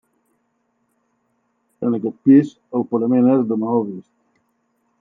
En aquest pis el parament és de maó vist.